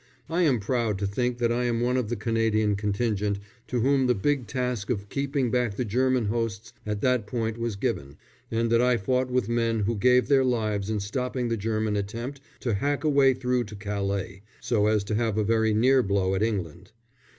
I am proud to think that I am one of the Canadian Contingent to whom the big task of keeping back the German hosts at that point was given, and that I fought with men who gave their lives in stopping the German attempt to hack a way through to Calais, so as to have a very near blow at England.